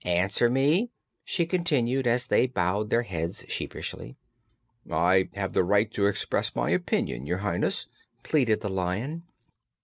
Answer me!" she continued, as they bowed their heads sheepishly. "I have the right to express my opinion, your Highness," pleaded the Lion.